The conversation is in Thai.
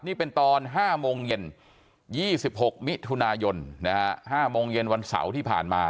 นี่เป็นตอน๕โมงเย็น๒๖มิถุนายน๕โมงเย็นวันเสาร์ที่ผ่านมา